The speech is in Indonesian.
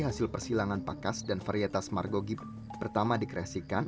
hasil persilangan pakas dan varietas margogip pertama dikreasikan